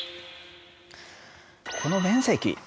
この面積。